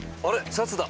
シャツだ！